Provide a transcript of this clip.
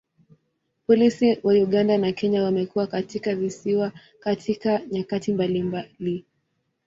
Polisi wa Uganda na Kenya wamekuwa katika kisiwa katika nyakati mbalimbali.